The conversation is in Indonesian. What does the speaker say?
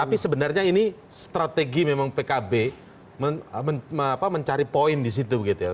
tapi sebenarnya ini strategi memang pkb mencari poin disitu gitu ya